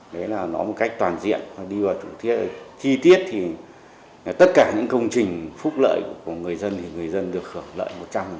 đấy là nó một cách toàn diện đi vào chi tiết thì tất cả những công trình phúc lợi của người dân thì người dân được khởi lợi một trăm linh